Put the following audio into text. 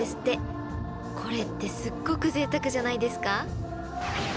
［これってすっごくぜいたくじゃないですか？］